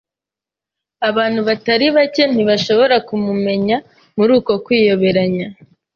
Abantu batari bake ntibashobora kumumenya muri uko kwiyoberanya.